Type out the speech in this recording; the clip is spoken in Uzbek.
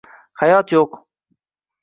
Hayot yo’q.